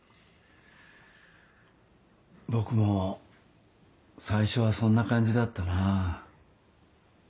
僕も最初はそんな感じだったな。